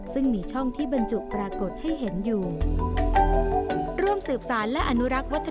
ซึ่งมีช่องที่บรรจุปรากฏให้เห็นอยู่